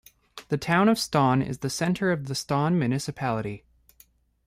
The town of Ston is the center of the Ston municipality.